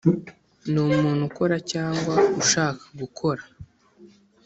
Ni umuntu ukora cyangwa ushaka gukora